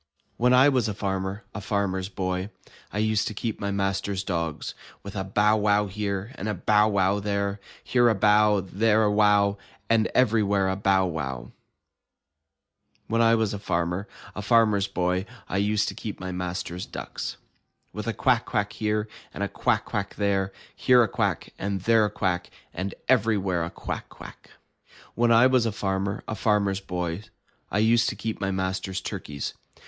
When I was a farmer, a Farmer's Boy, I used to keep my master's dogs. With a bow wow here, and a bow wow there. Here a bow, and there a wow. And everywhere a bow wow! 90 IN THE NURSERY When I was a farmer, a Farmer*s Boy, I used to keep my master's ducks, With a quack quack here, and a quack quack there, Here a quack, and there a quack. And everywhere a quack, quack! When I was a farmer, a Farmer's Boy, I used to keep my master's turkeys.